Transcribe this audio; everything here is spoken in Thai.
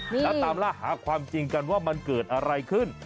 แล้วตามล่าหาความจริงกันว่ามันเกิดอะไรขึ้น